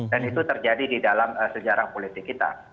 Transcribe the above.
dan itu terjadi di dalam sejarah politik kita